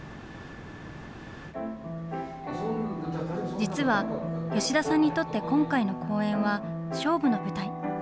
実は吉田さんにとって今回の公演は、勝負の舞台。